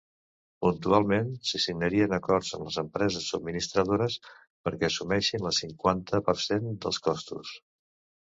Puntualment, se signarien acords amb les empreses subministradores perquè assumeixin el cinquanta per cent dels costos.